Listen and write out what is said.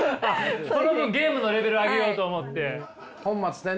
その分ゲームのレベル上げようと思って？